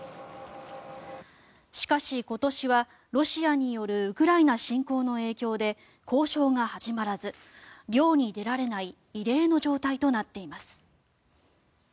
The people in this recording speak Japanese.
しかし、今年はロシアによるウクライナ侵攻の影響で交渉が始まらず、漁に出られない異例の状態となっています。